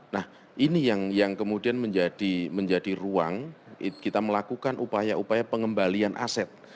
nah ini yang kemudian menjadi ruang kita melakukan upaya upaya pengembalian aset